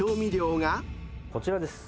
こちらです。